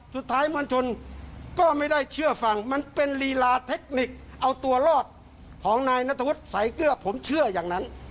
สุดท้ายมวลชนก็ไม่ได้เชื่อฟังมันเป็นรีลาเทคนิคเอาตัวรอดของนายนัตถุฤทธิ์ใส่เกื้อผมเชื่ออย่างนั้น